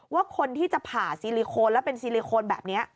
ว่าคนที่จะผ่าซีลิโคนแล้วเป็นซีลิโคนแบบนี้